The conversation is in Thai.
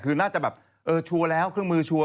คือน่าจะแบบเออชัวร์แล้วเครื่องมือชัวร์